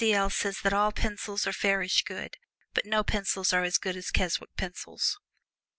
L. says all pencils are fairish good, but no pencils are so good as Keswick pencils.